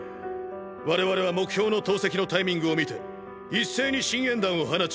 我々は目標の投石のタイミングを見て一斉に信煙弾を放ち！！